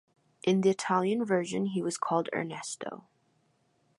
In the Italian version he was called Ernesto.